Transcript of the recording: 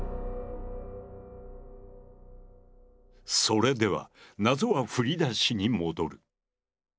それでは謎は振り出しに戻る。